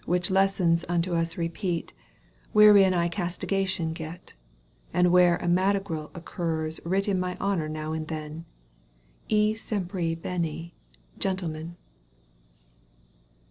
Which lessons unto us repeat, Wherein I castigation get; • And where a madrigal occurs Writ in my honour now and then — E sempre Ъепву gentlemen